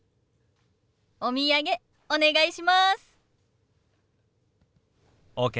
お土産お願いします。ＯＫ。